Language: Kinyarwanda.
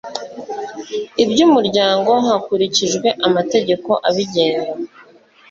iby umuryango hakurikijwe amategeko abigenga